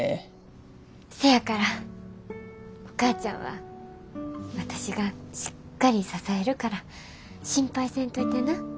せやからお母ちゃんは私がしっかり支えるから心配せんといてな。